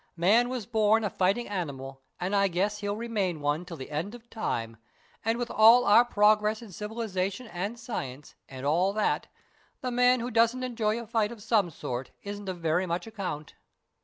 "Man was born a fighting animal, and I guess he'll remain one till the end of time; and with all our progress in civilisation and science, and all that, the man who doesn't enjoy a fight of some sort isn't of very much account.